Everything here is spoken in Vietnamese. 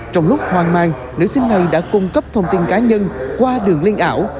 trong lúc hoang mang nữ sinh này đã cung cấp thông tin cá nhân qua đường liên ảo